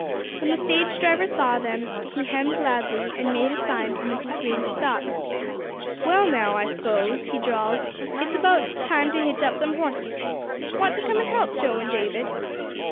When the stage driver saw them, he hemmed loudly, and made a sign for Mrs. Green to stop. "Well, now, I s'pose," he drawled, "it's about time to hitch up them horses. Want to come and help, Joe and David?"